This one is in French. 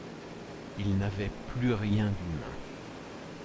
Ils n’avaient plus rien d’humain.